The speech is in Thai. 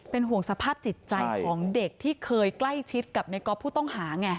ห่วงสภาพจิตใจของเด็กที่เคยใกล้ชิดกับในก๊อฟผู้ต้องหาไง